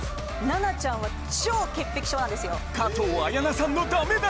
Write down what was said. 奈々ちゃんは超潔癖症なんですよ。